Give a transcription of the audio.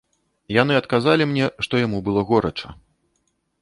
Яны адказалі мне, што яму было горача.